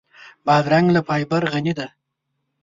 بادرنګ له فایبره غني دی.